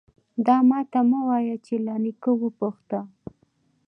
_دا مه راته وايه چې له نيکه وپوښته.